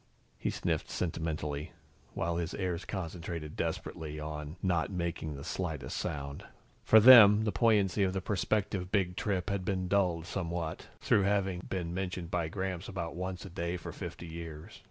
He sniffed sentimentally, while his heirs concentrated desperately on not making the slightest sound. For them, the poignancy of the prospective Big Trip had been dulled somewhat, through having been mentioned by Gramps about once a day for fifty years.